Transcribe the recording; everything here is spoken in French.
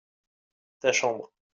ta chambre.